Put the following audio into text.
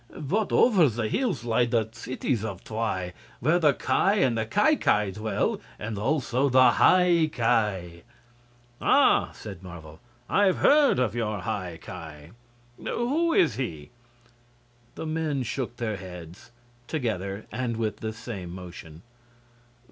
"But over the hills lie the cities of Twi, where the Ki and the Ki Ki dwell, and also the High Ki." "Ah!" said Marvel, "I've heard of your High Ki. Who is he?" The men shook their heads, together and with the same motion.